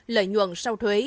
lợi nhuận sau thuế